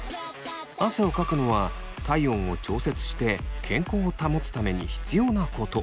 汗をかくのは体温を調節して健康を保つために必要なこと。